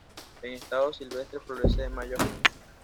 En estado silvestre florece de mayo a junio.